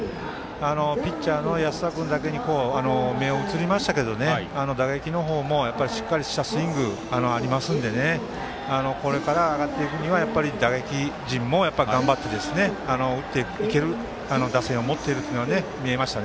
ピッチャーの安田君だけ映りましたけど打撃の方も、しっかりしたスイングがありますのでこれから上がっていくには打撃陣も頑張って打っていける打線を持っているというのは見えました。